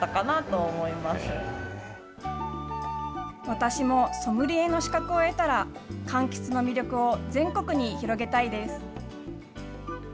私もソムリエの資格を得たら、かんきつの魅力を全国に広げたいです。